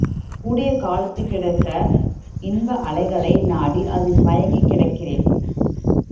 கூடிய காலத்துக் கிடைத்த இன்ப அலைகளை நாடி அதில் மயங்கிக் கிடக்கிறேன்.